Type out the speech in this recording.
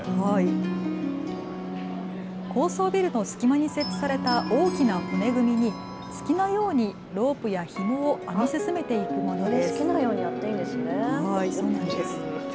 高層ビルの隙間に設置された大きな骨組みに好きなようにロープやひもを編み進めていくものです。